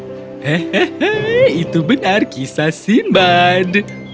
hehehe itu benar kisah simban